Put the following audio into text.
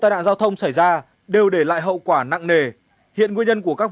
nói chung là từ ý thức